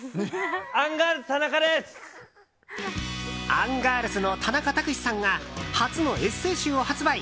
アンガールズの田中卓志さんが初のエッセー集を発売。